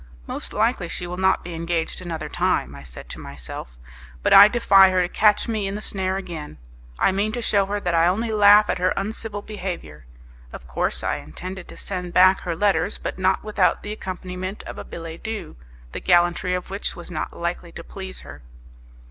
"Most likely she will not be engaged another time," I said to myself, "but I defy her to catch me in the snare again. I mean to shew her that I only laugh at her uncivil behaviour." Of course I intended to send back her letters, but not without the accompaniment of a billet doux, the gallantry of which was not likely to please her.